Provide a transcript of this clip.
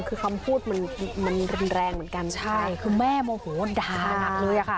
คือคำพูดมันมันรุนแรงเหมือนกันใช่คือแม่โมโหด่านักเลยอะค่ะ